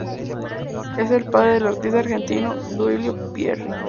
Es el padre del artista argentino Duilio Pierri.